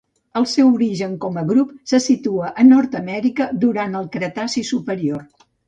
El seu origen com a grup se situa a Nord-amèrica durant el Cretaci superior.